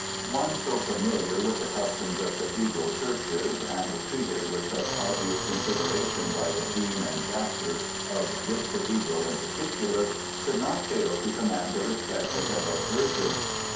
One so familiar with the customs of Cathedral churches, and treated with such obvious consideration by the Dean and Chapter of this Cathedral in particular, could not fail to command the respect of the Head Verger.